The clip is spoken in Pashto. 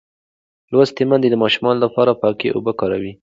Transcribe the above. لوستې میندې د ماشوم لپاره پاکې اوبه کاروي.